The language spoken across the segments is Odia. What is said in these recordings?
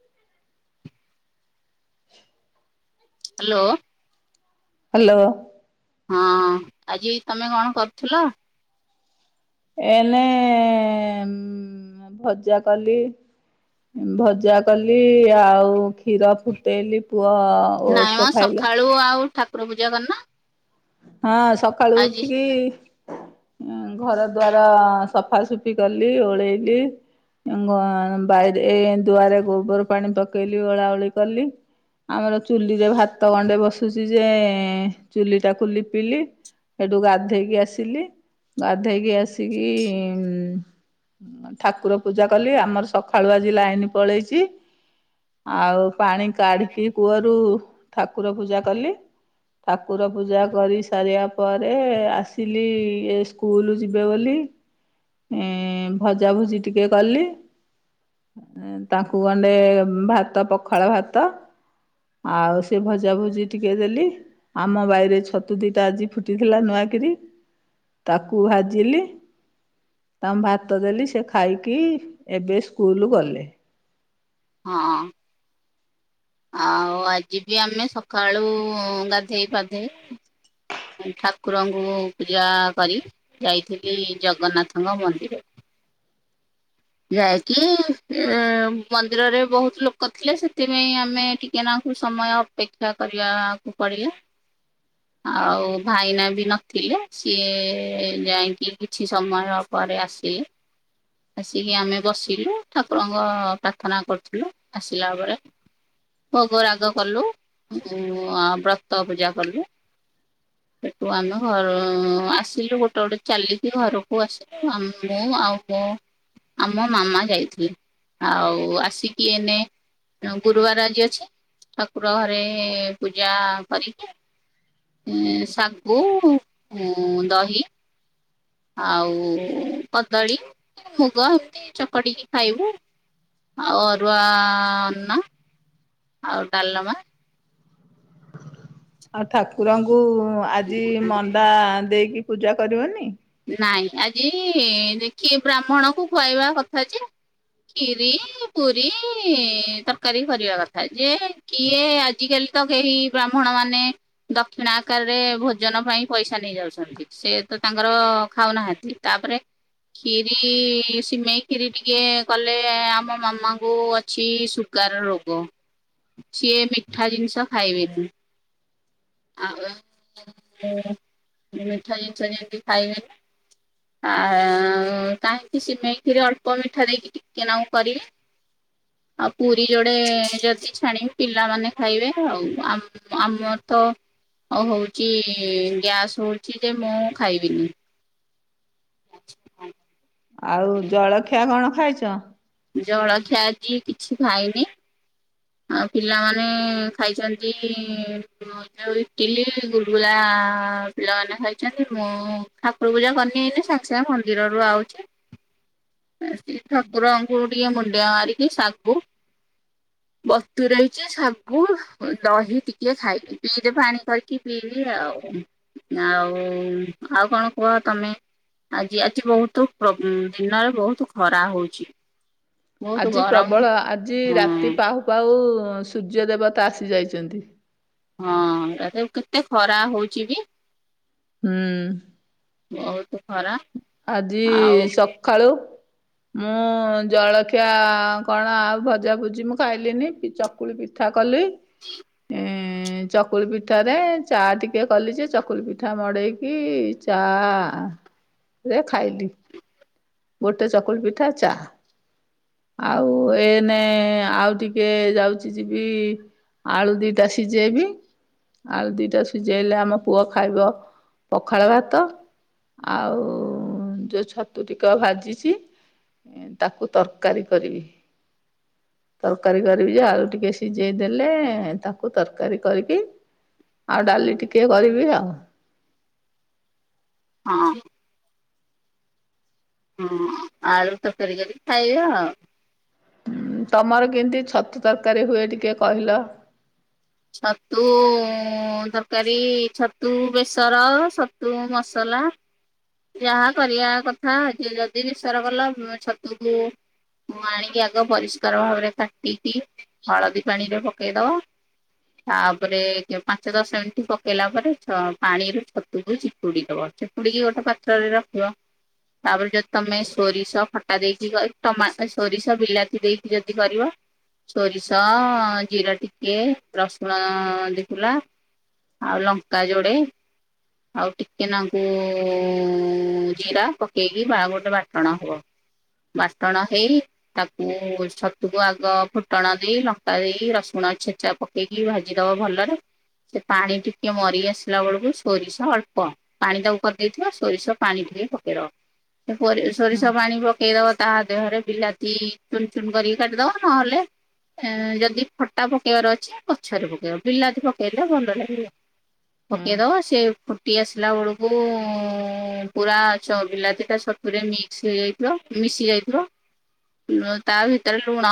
[inaudible] ହାଲୋ। ହାଲୋ। ହଁ ଆଜି ତମେ କଣ କରୁଥିଲ? ଏଇନେ ଉଁ ଭଜାକଲି। ଭଜାକଲି ଆଉ କ୍ଷୀର ଫୁଟେଇଲି ପୁଅ ନାଇଁମ ଓଟସ ଖାଇଲା ସକାଳୁ ଆଉ ଠାକୁର ପୂଜା କରୁନ? ହଁ ସକାଳୁ ଉଠିକି ଘର ଦ୍ୱାର ସଫାସୁଫି କଲି ଓଳେଇଲି। ଆଙ୍ଗ ବାଇରେ ଦୁଆରେ ଗୋବର ପାଣି ପକେଇଲି ଓଳା ଓଳି କଲି। ଆମର ଚୁଲିରେ ଭାତ ଗଣ୍ଡେ ବସୁଛି ଯେ ଚୁଲି ଟାକୁ ଲିପିଲି। ସେଠୁ ଗାଧୋଇକି ଆସିଲି ଗାଧୋଇକି ଆସିକି ଉଁ ଠାକୁର ପୂଜା କଲି ଆମର ସକାଳୁ ଆଜି ଲାଇନ୍ ପଳେଇଛି। ଆଉ ପାଣି କାଢିକି କୂଅରୁ ଠାକୁର ପୂଜା କଲି ଠାକୁର ପୂଜା କରି ସାରିବା ପରେ ଆସିଲି ଏ ସ୍କୁଲ ଯିବେ ବୋଲି ଏ ଭଜା ଭୁଜି ଟିକେ କଲି। ତାଙ୍କୁ ଗଣ୍ଡେ ଭାତ ପଖାଳ ଭାତ ଆଉ ସେ ଭଜା ଭୁଜି ଟିକେ ଦେଲି ଆମ ବାଇ ଛତୁ ଦିଟା ଆଜି ଫୁଟିଥିଲା ନୂଆକିରି ତାକୁ ଭାଜିଲି। ତାଙ୍କୁ ଭାତ ଦେଲି ସେ ଖାଇକି ଏବେ ସ୍କୁଲ୍ ଗଲେ। ହଁ। ଆଉ ଆଜି ବି ଆମେ ସକାଳୁ ଗାଧେଇ ପାଧେଇ ଠାକୁରଙ୍କୁ ପୂଜା କରି ଯାଇଥିଲି ଜଗନ୍ନାଥଙ୍କ ମନ୍ଦିର। ଯାଇକି ଏ ମନ୍ଦିରରେ ବହୁତ ଲୋକ ଥିଲେ ସେଥିପାଇଁ ଆମେ ଟିକେନାକୁ ସମୟ ଅପେକ୍ଷା କରିବାକୁ ପଡ଼ିଲା। ଆଉ ଭାଇନା ବି ନଥିଲେ ସିଏ ଯାଇକି କିଛି ସମୟ ପରେ ଆସିଲେ। ଆସିକି ଆମେ ବସିଲୁ ଠାକୁରଙ୍କ ପ୍ରାର୍ଥନା କରୁଥିଲୁ ଆସିଲା ବେଳେ। ଭୋଗ ରାଗ କଲୁ ମୁଁ ଆ ବ୍ରତ ପୂଜା କଲୁ। ସେଠୁ ଆମେ ଘର ଆସିଲୁଗୋଟେ ଗୋଟେ ଚାଲିକି ଘରକୁ ଆସିଲୁ। ମୁଁ ଆମ୍ ମୁଁ ଆଉ ବୋଉ ଆମ ମାମା ଯାଇଥିଲେ ଆଉ ଆସିକି ଏନେ ଆଉ ଗୁରୁବାର ଆଜି ଅଛି ଠାକୁର ଘରେ ପୂଜା କରିକି ଶାଗୁ, ଦହି ଆଉ କଦଳୀ। ତ ଏମତି ଚକଟିକି ଖାଇବୁ ଆଉ ଅରୁଆ ଅନ୍ନ ଆଉ ଡାଲମା। ଆଉ ଠାକୁରଙ୍କୁ ଆଜି ମଣ୍ଡା ଦେଇକି ପୂଜା କରିବନି? ନାଇଁ ଆଜି ଦେଖି ବ୍ରାହ୍ମଣକୁ ଖୁଆଇବା କଥା ଯେ ଖିରି, ପୁରୀ, ତରକାରୀ କରିବା କଥା ଯେ କିଏ ଆଜିକାଲି ତ କେହି ବ୍ରାହ୍ମଣ ମାନେ ଦକ୍ଷିଣା ଆକାରରେ ଭୋଜନ ପାଇଁ ପଇସା ନେଇଯାଉଛନ୍ତି ସେ ତ ତାଙ୍କ ତାଙ୍କର ଖାଉ ନାହାନ୍ତି ତାପରେ ଖିରି, ସିମେଇ ଖିରି ଟିକେ କଲେ ଆମ ମାମାଙ୍କୁ ଅଛି ସୁ ସୁଗାର ରୋଗ ସିଏ ମିଠା ଜିନିଷ ଖାଇବେନି। ଆଉ ମୋର ମିଠା ଜିନଷ ଯେମିତି ଖାଇବେନି? ଆ କାହିଁକି ସିମେଇ ଖିରି ଅଳ୍ପ ମିଠା ଦେଇକି ଟିକେନାକୁ କରିବି। ଆଉ ପୁରୀ ଯୋଡେ ଯଦି ଛାଣିବି ପିଲାମାନେ ଖାଇବେ। ଆଉ ଆମେ ଆମର ତ ହ ହଉଚି ଗ୍ୟାସ୍ ହଉଚି ଯେ ମୁଁ ଖାଇବିନି। ଆଉ ଜଳଖିଆ କଣ ଖାଇଚ? ଜଳଖିଆ ଆଜି କିଛି ଖାଇନି। ଆଉ ପିଲାମାନେ ଖାଇସାରିକି ଗଜା ଆଉ ଇଟିଲି ଗୁଲଗୁଲା ପିଲାମାନେ ଖାଇଛନ୍ତି। ମୁଁ ଠାକୁର ପୂଜା କରିନି ଏଇନେ ସାଙ୍ଗେ ସାଙ୍ଗେ ମନ୍ଦିରରୁ ଆଉଚି। ଏଠି ଠାକୁର ଠାକୁରଙ୍କୁ ଟିକେ ମୁଣ୍ଡିଆ ମାରିକି ଶାଗୁ ବତୁୁରେଇଚି। ଶାଗୁ ଦହି ଟିକେ ଖାଇକି ପିଇଦେ ପାଣି କରିକି ପିଇବି ଆଉ। ଆଉ ଆଉ କଣ କୁହ ତମେ? ଆଜି ଆଜି ବହୁତୁ ପ୍ରବ ଦିନରେ ବହୁତୁ ଖରା ହଉଚି। ବହୁତ ଆଜି ଗରମ ପ୍ରବଳ ଆଜି ହଁ ରାତି ପାହୁ ପାହୁ ସୂର୍ଯ୍ୟ ଦେବତା ଆସିଯାଇଚନ୍ତି। ହଁ ଏତେ କେତେ ଖରା ହଉଚି ବି। ହୁଁ। ବହୁତୁ ଖରା। ଆଜି ଆଉ ସଖାଳୁ ମୁଁ ଜଳଖିଆ କଣ ଆଉ ଭଜା ଭୁଜି ମୁଁ ଖାଇଲିନି କିଚ ଚକୁଳି ପିଠା କଲି। ଏଁ ଚକୁଳି ପିଠାରେ ଚା ଟିକେ କଲି ଯେ ଚକୁଳି ପିଠା ମଡ଼େଇକି ଚାଆ ରେ ଖାଇଲି। ଗୋଟେ ଚକୁଳି ପିଠା, ଚାଆ। ଆଉ ଏନେ ଆଉ ଟିକେ ଯାଉଛି ଯିବି ଆଳୁ ଦିଟା ସିଝେଇବି। ଆଳୁ ଦିଟା ସିଝେଇଲେ ଆମ ପୁଅ ଖାଇବ ପଖାଳ ଭାତ। ଆଉ ଯୋଉ ଛତୁୁ ଟି ତ ଭାଜିଚି ତାକୁ ତରକାରୀ କରିବି। ତରକାରୀ କରିବି ଯେ ଆଳୁ ଟିକେ ସିଝେଇ ଦେଲେ ତାକୁ ତରକାରୀ କରିକି ଆଉ ଡାଲି ଟିକେ କରିବି ଆଉ। ହଁ। ହୁଁ ଆଳୁ ତରକାରି କରି ଖାଇବ ଆଉ। ହୁଁ ତମର କେମତି ଛତୁ ତରକାରୀ ହୁଏ ଟିକେ କହିଲ? ଛତୁ ତରକାରୀ, ଛତୁ ବେସର, ଛତୁ ମସଲା। ଯାହା କରିବା କଥା ଯେ ଯଦି ବିଶର କଲ ଛତୁକୁ। ଆଣିକି ଆଗ ପରିଷ୍କାର ଭାବରେ କାଟିକି ହଳଦୀ ପାଣିରେ ପକେଇଦବ। ତାପରେ ପାଞ୍ଚ, ଦଶ ମିନିଟ୍ ପକେଇଲା ପରେ ପାଣିରୁ ଛତୁକୁ ଚିପୁଡ଼ି ଦବ। ପଡିକି ଗୋଟେ ପାତ୍ରରେ ରଖିବ। ତାପରେ ଯଦି ତମେ ସୋରିଷ ଖଟା ଦେଇକି ଟମା ସୋରିଷ ବିଲାତି ଦେଇକି ଯଦି କରିବ? ସୋରିଷ, ଜୀରା ଟିିକେ। ରସୁଣ ଦି କୁଲା ଆଉ ଲଙ୍କା ଯୋଡେ। ଆଉ ଟିକେ ନାଙ୍କୁ ଜିରା ପକେଇକି ବା ଗୋଟେ ବାଟଣ ହବ। ବାଟଣ ହେଇ। ତାକୁ ଛତୁକୁ ଆଗ ଫୁଟଣ ଦେଇ ଲଙ୍କା ଦେଇ ରସୁଣ ଛେଚା। ପକେଇକି ଭାଜିଦବ ଭଲରେ। ସେ ପାଣି ଟିକେ ମରି ଆସିଲା ବେଳକୁ ସୋରିଷ ଅଳ୍ପ। ପାଣି ତାକୁ କରିଦେଇଥିବ ସୋରିଷ ପାଣି ଟିକେ ପକେଇଦବ ସୋ ହୁଁ ସୋରିଷ ପାଣି। ପକେଇଦବ ତା ଦେହରେ ବିଲାତି ଚୁନ୍ ଚୁନ୍ କରିକି କାଟିଦବ ନହେଲେ। ଏ ଯଦି ଫଟା ପକେଇବାର ଅଛି। ସେ ପଛରେ ପକେଇବ। ବିଲାତି ପକେଇଲେ ଭଲ ଲାଗିବ। ହୁଁ ପକେଇଦବ ସେ ଫୁଟି ଆସିଲା ବେଳକୁ ପୁରା ଚ ବିଲାତି ଟା ଛତୁରେ ମିକ୍ସ ହେଇଯାଇ ବ ମିଶି ଯାଇଥିବ। ତା ଭିତରେ ଲୁଣ,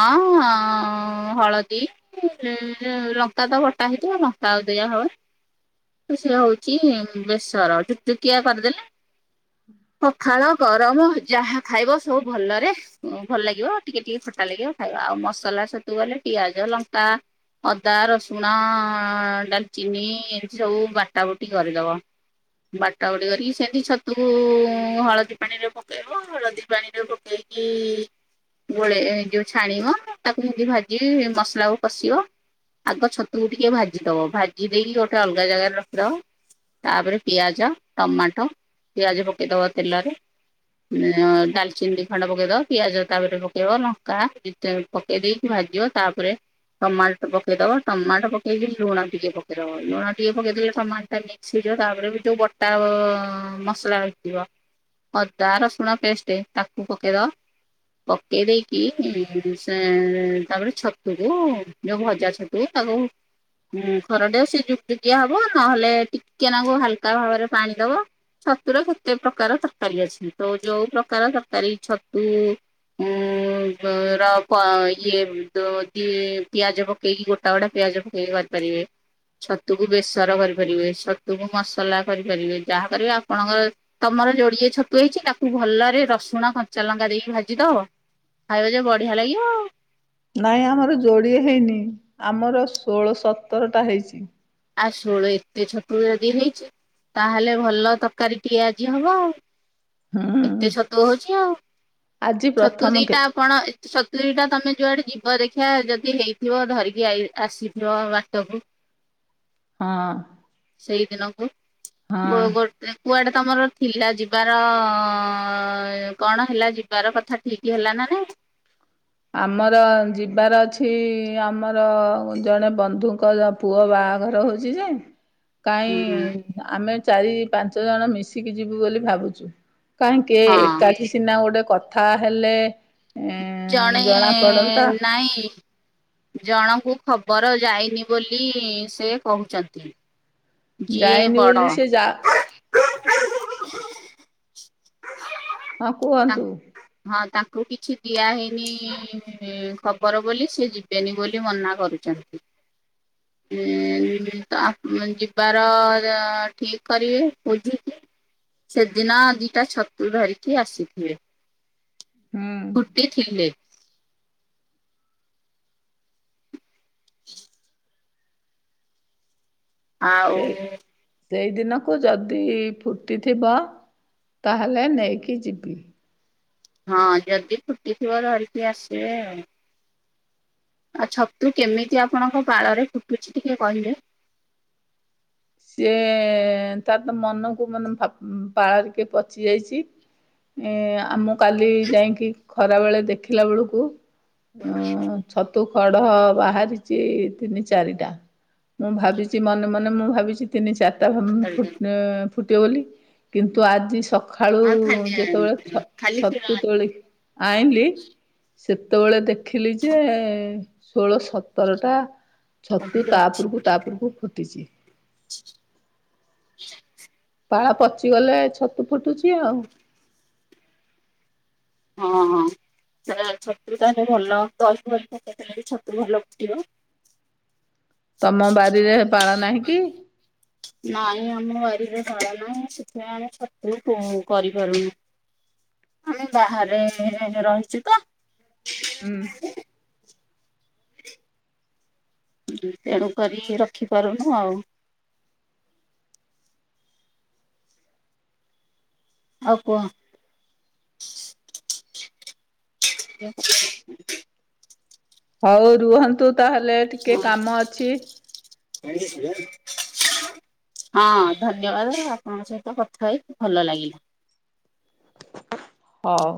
ହଳଦୀ ଉଁ ଲଙ୍କା ତ ବଟା ହେଇଥିବ। ଲଙ୍କା ଆଉ ଦିଆହବନି। ସେ ହଉଛି ବେସର। ଜୁକଜୁକିଆ କରିଦେଲେ [unintelligible] ପଖାଳ। ଗରମ ଯାହା ଖାଇବ ସବୁ ଭଲରେ। ଭଲ ଲାଗିବ। ଟିକେ ଟିକେ ଖଟା ଲାଗିବ ଖାଇବ। ଆଉ ମସଲା ଛତୁ କଲେ ପିଆଜ, ଲଙ୍କା। ଅଦା, ରସୁଣ, ଡାଲଚିନି ଏମିତି ସବୁ ବାଟା ବୁଟି କରିଦବ। ବାଟା ବୁଟି କରିକି ସେମିତି ଛତୁକୁ ହଳଦୀ ପାଣିରେ ପକେଇବ। ହଳଦୀ ପାଣିରେ ପକେଇ କି ଗୋଳେ ଯୋଉ ଛାଣିବ ତାକୁ ସେମତି ଭାଜି ମସଲାକୁ କଷିବ। ଆଗ ଛତୁକୁ ଟିକେ ଭାଜି ଦବ। ଭାଜି ଦେଇକି ଗୋଟେ ଅଲଗା ଜାଗାରେ ରଖିଦବ। ତାପରେ ପିଆଜ, ଟମାଟ। ପିଆଜ ପକେଇଦବ ତେଲରେ। ଅ ଡାଲଚିନି ଦି ଖଣ୍ଡ ପକେଇଦବ। ପିଆଜ ତାପରେ ପକେଇବ। ଲଙ୍କା। ପକେଇ ଦେଇକି ଭାଜିବ। ତାପରେ ଟମା ପକେଇଦବ ଟମାଟ ପକେଇକି ଲୁଣ ଟିକେ ପକେଇଦବ। ଲୁଣ ଟିକେ ପକେଇଦେଲେ ଟମାଟଟା ମି ସିଳ ତାପରେ ବି ଯୋଉ ବଟା ମସଲା ରହିଥିବ। ଅଦା, ରସୁଣ ପେଷ୍ଟ ତାକୁ ପକେଇଦବ। ପକେଇ ଦେଇକି ସେ ତାପରେ ଛତୁକୁ ଯୋଉ ଭଜାଛତୁ ତାକୁ ହୁଁ ଖରଡିବ ସେ ଯୁକୁ ଜୁକିଆ ହବ ନହେଲେ ଟିକେନାକୁ ହାଲକା ଭାବରେ ପାଣି ଦବ। ଛତୁୁର କେତେ ପ୍ରକାର ତରକାରୀ ଅଛି ତ ଯୋଉ ପ୍ରକାର ତରକାରୀ ଛତୁ ଉ ର ପ ଇଏ ଦୋ ଦିଏ ପିଆଜ ପକେଇ କି ଗୋଟା ଗୋଟା ପିଆଜ ପକେଇକି କରି ପାରିବେ। ଛତୁକୁ ବେସର କରିପାରିବେ। ଛତୁକୁ ମସଲା କରିପାରିବେ। ଯାହା କରିବେ ଆପଣଙ୍କର ତମର ଯୋଡିଏ ଛତୁ ହେଇଛି ତାକୁ ଭଲରେ ରସୁଣ, କଞ୍ଚା ଲଙ୍କା ଦେଇକି ଭାଜିଦବ। ଖାଇବ ଯେ ବଢିଆ ଲାଗିବ ଆଉ। ନାଇଁ ଆମର ଯୋଡ଼ିଏ ହେଇନି ଆମର ଷୋଳ ସତରଟା ହେଇଛି। ଆ ଷୋହଳ ଏତେ ଛୋତରୁ ଯଦି ହେଇଛି। ତାହେଲେ ଭଲ ତରକାରୀ ଟିଏ ଆଜି ହବ ଆଉ। ହୁଁ ଏତେ ଛତୁ ହଉଛି ଆଉ ଆଜି ଛତୁ ପ୍ରଥମ କେ ଦିଟା କଣ ଏତେ ସତୁରି ଟା ତମେ ଯୁଆଡେ ଯିବ ଦେଖିଆ ଯଦି ହେଇଥିବ ଧରିକି ଆଇ ଆସିଥିବ ବାଟକୁ। ହଁ। ସେଇଦିନକୁ ଗୋ ହଁ। ଗୋଡ଼ କୁଆଡେ ତମର ଥିଲା ଯିବାର ଅ କଣ ହେଲା ଜି ବାର କଥା ଠିକ ହେଲା ନା ନାହିଁ? ଆମର ଯିବାର ଅଛି ଆମର ଜଣେ ବନ୍ଧୁଙ୍କର ପୁଅ ବାହାଘର ହଉଛି ଯେ [unintelligible] କାହିଁ ଆମେ ଚାରି, ପାଞ୍ଚ ଜଣ ମିଶିକି ଯିବୁ ବୋଲି ଭାବୁଛୁ। କାହିଁକେ ହଁ ଏକାଠି ସିନା ଗୋଟେ କଥା ହେଲେ ଏନ୍ ଜଣେ ନାଇଁ ଜଣଙ୍କୁ ଖବର ଯାଇନି ବୋଲି ସେ କହୁଛନ୍ତି। ଯିଏ ଯାଇନି ବଡ ବୋଲି ସେ ଯା ହଁ ତା କୁହନ୍ତୁ? ହଁ ତାଙ୍କୁ କିଛି ଦିଆ ହେଇନି ଉମ ଖବର ବୋଲି ସିଏ ଯିବେନି ବୋଲି ମନା କରୁଛନ୍ତି ଉମ ତ ଯିବାର ଠିକ କରିବେ ବୁଝିକି। ସେଦିନ ଦିଟା ଛତୁ ଧରିକି ଆସିଥିବେ ହୁଁ ଫୁଟିଥିଲେ। ଆଉ ସେଇ ସେଇଦିନକୁ ଯଦି ଫୁଟିଥିବ ତାହେଲେ ନେଇକି ଯିବି। ହଁ ଯଦି ଫୁଟିଥିବ ଧରିକି ଆସିବେ ଆଉ। ଆଉ ଛତୁ କେମିତି ଆପଣଙ୍କ ପାଳରେ ଫୁଟୁଛି ଟିକେ କହିବେ? ସିଏ ତାର ତ ମନକୁ ମନ ଭା ବାହାରିକି ପଚି ଯାଇଛି। ଏ ଆମ କାଲି ଯାଇକି ଖରା ବେଳେ ଦେଖିଲା ବେଳକୁ ଅ ଘରକୁଯିବେ। ଛତୁ କଢ ବାହାରିଛି ତିନି, ଚାରିଟା। ମୁଁ ଭାବିଛି ମନେ ମନେ ମୁଁ ଭାବିଛି ତିନି, ଚାରିଟା ଉମ ଫୁଟ ଫୁଟିବ ବୋଲି କିନ୍ତୁ ଆଜି ସକାଳୁ ଆଉ ଖାଲି ଯେତେବେଳେ ଛ ଖାଲି କ୍ଷୀର ଛତୁ ଆଣିବ। ତୋଳିକି ଆଇଲି ସେତେବେଳେ ଦେଖିଲି ଯେ ଷୋହଳ, ସତର ଟା ଛତୁ ତା ଉପରକୁ ଉପରକୁ ଫୁଟିଛି। ପାଳ ପଚିଗଲେ ଛତୁ ଫୁଟୁଛି ଆଉ। ହଁ ହଁ। ତାହାଲେ ଛତୁ ତାହେଲେ ଭଲ ଦହି ଫହୀ ପକେଇଦେଲେବି ଛତୁ ଭଲ ଫୁଟିବ। [unintelligible] ତମ ବାରିରେ ପାଳ ନାହିଁ କି? ନାଇଁ ଆମ ବାରିରେ ପାଳ ନାହିଁ ସେଥିପାଇଁ ଆମେ ଛତୁ କୁ କରିପାରୁନୁ। ଆମେ ବାହାରେ ରହିଛୁ ତ। ହୁଁ। ତେଣୁ କରି ରଖିପାରୁନୁ ଆଉ। ଆଉ କୁହ? ହଉ ରୁହନ୍ତୁ ତାହେଲେ ଟିକେ କାମ ଅଛି। [inaudible] ହଁ ଧନ୍ୟବାଦ ଆପଣଙ୍କ ସହିତ କଥା ହେଇକି ଭଲ ଲାଗିଲା। ହଉ।